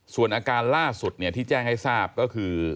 ส่วนอาการล่าสุดที่แจ้งให้ทราบก็คือ